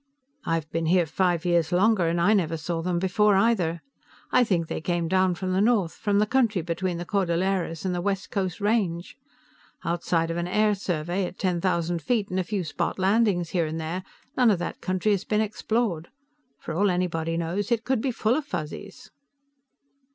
"I've been here five years longer, and I never saw them before, either. I think they came down from the north, from the country between the Cordilleras and the West Coast Range. Outside of an air survey at ten thousand feet and a few spot landings here and there, none of that country has been explored. For all anybody knows, it could be full of Fuzzies."